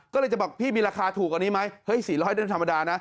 ก็เลยจะบอกพี่มีราคาถูกกว่านี้ไหมเฮ้ย๔๐๐เรื่องธรรมดานะ